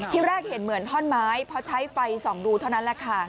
ที่แรกเห็นเหมือนท่อนไม้เพราะใช้ไฟส่องดูเท่านั้นแหละค่ะ